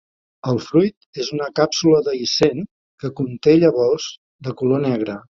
El fruit és una càpsula dehiscent, que conté llavors de color negre.